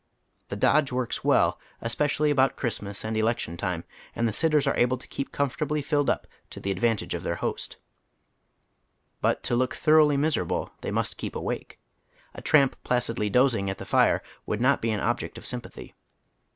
The dodge works well, especially about Christmas and election time, and the sitters are able oy Google 78 HOW THa OTilEi: HALF LIVES, to keep comfortably filled up to the advantage of their iiost. But to look tlioronghly miserable they must keep awake. A tramp placidly dozing at the iire would not be an object of sympathy.